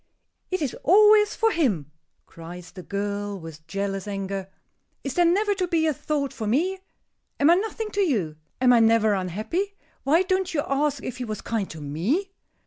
"It is always for him!" cries the girl, with jealous anger. "Is there never to be a thought for me? Am I nothing to you? Am I never unhappy? Why don't you ask if he was kind to me?"